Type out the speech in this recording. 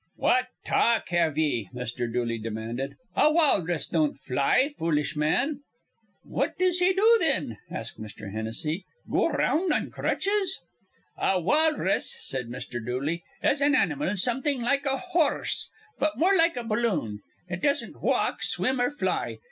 "What ta alk have ye?" Mr. Dooley demanded. "A walrus don't fly, foolish man!" "What does he do, thin?" asked Mr. Hennessy. "Go 'round on crutches?" "A walrus," said Mr. Dooley, "is an animal something like a hor rse, but more like a balloon. It doesn't walk, swim, or fly.